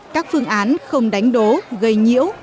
các phương án không đánh đố gây nhiễu